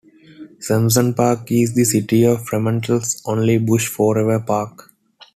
Samson Park is the city of Fremantle's only bush forever park.